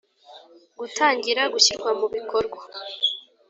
Gutangira gushyirwa mu bikorwa